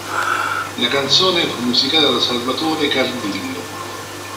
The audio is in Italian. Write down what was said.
La canzone fu musicata da Salvatore Cardillo.